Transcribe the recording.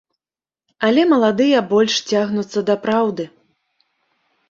Але маладыя больш цягнуцца да праўды.